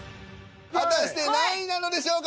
果たして何位なのでしょうか？